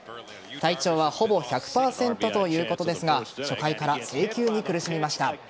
体調はほぼ１００％ということですが初回から制球に苦しみました。